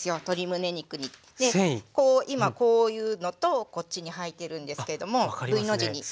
こう今こういうのとこっちに入ってるんですけどもＶの字にね。